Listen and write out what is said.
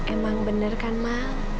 emang benar kan ma